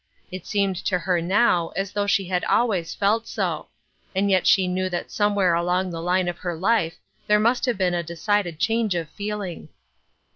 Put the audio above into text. It seemed to her now as though she , had always felt so ; and yet she knew that somewhere along the line of her life there must have been a decided change of feeling.